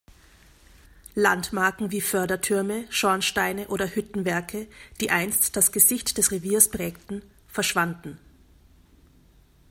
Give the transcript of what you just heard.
Landmarken wie Fördertürme, Schornsteine oder Hüttenwerke, die einst das Gesicht des Reviers prägten, verschwanden.